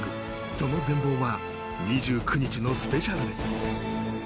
その全貌は２９日のスペシャルで！